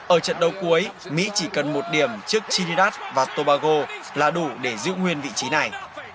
ở trận đấu cuối mỹ chỉ cần một điểm trước chihidas và tobago là đủ để giữ nguyên vị trí này